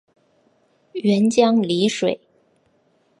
沅江澧水